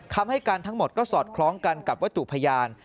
คำให้การทั้งหมดก็สอดคล้องกันกับวัตถุพยาน